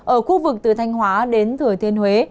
ở khu vực từ thanh hóa đến thừa thiên huế